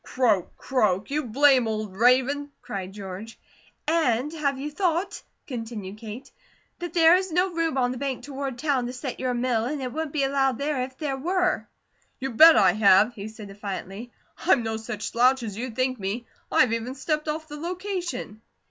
"Croak! Croak! You blame old raven," cried George. "And have you thought," continued Kate, "that there is no room on the bank toward town to set your mill, and it wouldn't be allowed there, if there were?" "You bet I have!" he said defiantly. "I'm no such slouch as you think me. I've even stepped off the location!"